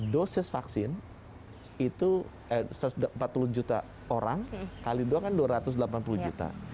dosis vaksin itu empat puluh juta orang kali dua kan dua ratus delapan puluh juta